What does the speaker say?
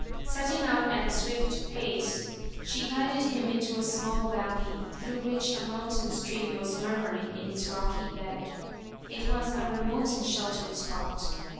Setting out at a swift pace, she guided him into a small valley, through which a mountain stream was murmuring in its rocky bed. It was a remote and sheltered spot.